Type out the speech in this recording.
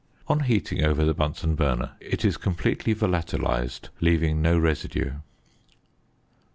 On heating over the Bunsen burner it is completely volatilised, leaving no residue.